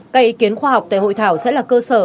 các ý kiến khoa học tại hội thảo sẽ là cơ sở